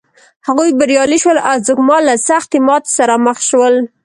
هغوی بریالي شول او ځمکوال له سختې ماتې سره مخ شول.